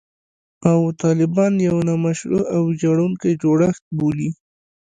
او طالبان یو «نامشروع او ویجاړوونکی جوړښت» بولي